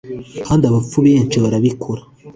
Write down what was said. kandi abapfu benshi barabikora